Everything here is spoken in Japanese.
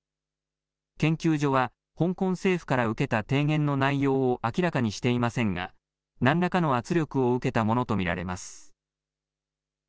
研究所は香港政府から受けた提言の内容を明らかにしていませんが何らかの圧力を受けたものと見られます。